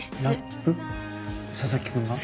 佐々木君が？